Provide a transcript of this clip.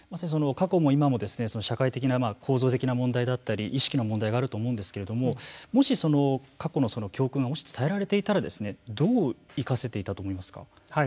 過去も今も社会的な構造的な問題だったり意識の問題があると思うんですけれどももし過去のその教訓がもし伝えられていたらどう生かせていたと思いますか。